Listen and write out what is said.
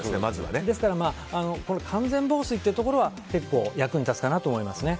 ですから完全防水というところは結構、役に立つかなと思いますね。